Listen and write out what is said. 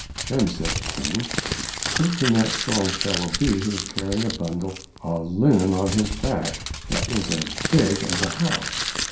Then said the King, "Who can that strong fellow be who is carrying a bundle of linen on his back that is as big as a house?"